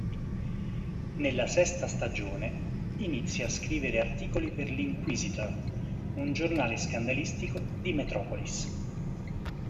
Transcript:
Nella sesta stagione inizia a scrivere articoli per "L'Inquisitor", un giornale scandalistico di Metropolis.